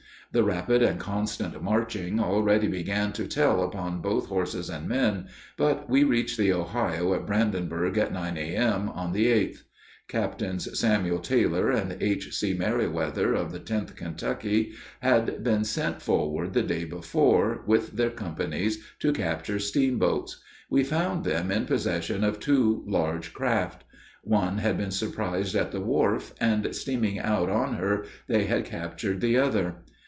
The rapid and constant marching already began to tell upon both horses and men, but we reached the Ohio at Brandenburg at 9 A.M. on the 8th. Captains Samuel Taylor and H.C. Meriwether of the 10th Kentucky had been sent forward the day before, with their companies, to capture steamboats. We found them in possession of two large craft. One had been surprised at the wharf, and steaming out on her, they had captured the other.